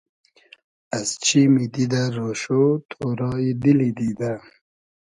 از چیمی دیدۂ رۉشۉ ، تۉرای دیلی دیدۂ